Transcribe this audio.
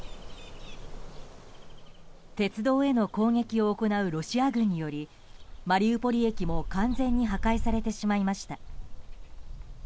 鉄道への攻撃を行うロシア軍によりマリウポリ駅も完全に破壊されてしまいました。